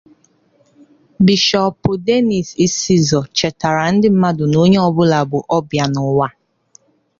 Bishọọpụ Dennis Isizọ chetaara ndị mmadụ na onye ọbụla bụ ọbịa n'ụwa